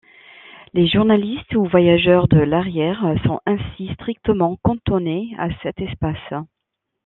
Les journalistes ou voyageurs de l'arrière sont ainsi strictement cantonnés à cet espace.